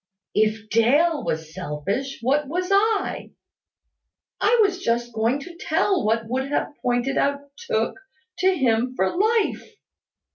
If Dale was selfish, what was I? I was just going to tell what would have pointed out Tooke to him for life.